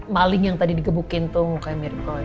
maling yang tadi digebukin tuh mukanya mirko ya